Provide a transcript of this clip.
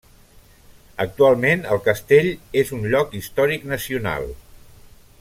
Actualment el castell és un Lloc Històric Nacional.